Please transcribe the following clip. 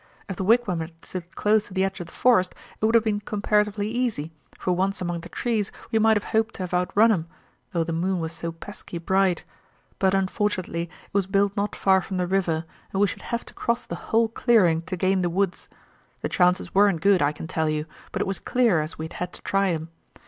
Ef the wigwam had stood close to the edge of the forest it would have been compar'tively easy, for once among the trees we might have hoped to have outrun 'em, though the moon was so pesky bright; but unfortunately it was built not far from the river, and we should have to cross the hull clearing to gain the woods. The chances weren't good, I can tell you, but it was clear as we had to try 'em.